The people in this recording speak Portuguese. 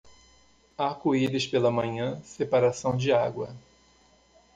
Arco-íris pela manhã, separação de água.